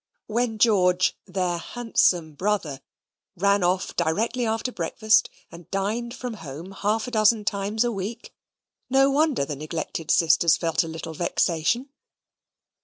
When George, their handsome brother, ran off directly after breakfast, and dined from home half a dozen times a week, no wonder the neglected sisters felt a little vexation.